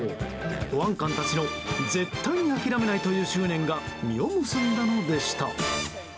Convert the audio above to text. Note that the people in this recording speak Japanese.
保安官たちの絶対に諦めないという執念が実を結んだのでした。